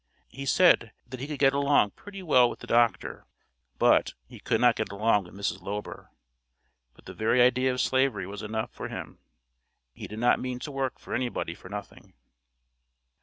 He said that he could get along pretty well with the Doctor, but, he could not get along with Mrs. Lober. But the very idea of Slavery was enough for him. He did not mean to work for any body for nothing.